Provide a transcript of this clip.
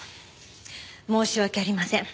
申し訳ありません。